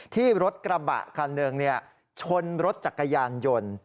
ที่รถกระบะคันหนึ่งชนรถจักรยานยนต์